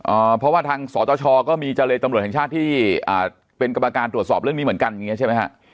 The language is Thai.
อ่าเพราะว่าทางสตชก็มีเจรตำรวจแห่งชาติที่อ่าเป็นกรรมการตรวจสอบเรื่องนี้เหมือนกันอย่างเงี้ใช่ไหมฮะ